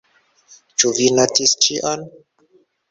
Ĉu vi notis ĉion?